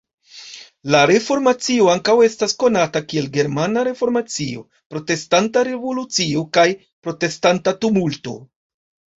La Reformacio ankaŭ estas konata kiel "Germana Reformacio", "Protestanta Revolucio" kaj "Protestanta Tumulto".